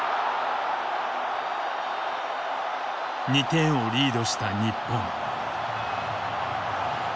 ２点をリードした日本。